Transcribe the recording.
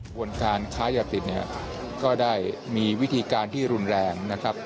วนการค้ายาติดเนี่ยก็ได้มีวิธีการที่รุนแรงนะครับ